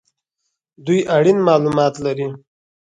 دوی اړین مالومات لري